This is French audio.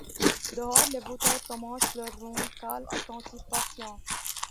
Dehors, les vautours commencent leur ronde, calmes, attentifs, patients.